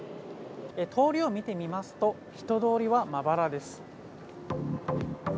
通りを見てみますと、人通りはまばらです。